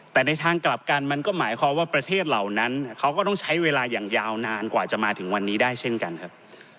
แต่ในทางกลับกันมันก็หมายความว่าประเทศเหล่านั้นเขาก็ต้องใช้เวลาอย่างยาวนานกว่าจะมาถึงวันนี้ได้เช่นกันครับ